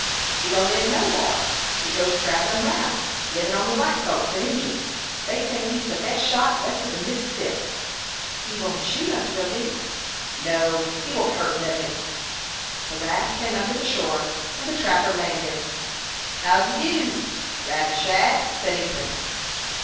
"He don't live nowhar; he goes travellin' round, livin' on the white folks and Injins. They say he is the best shot west of the Miss'sip." "He won't shoot us will he?" "No; he won't hurt nothin'." The raft came up to the shore, and the trapper landed. "How d'ye do, Rattleshag?" said Ethan.